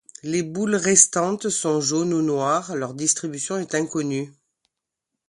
Les boules restantes sont jaunes ou noires, leur distribution est inconnue.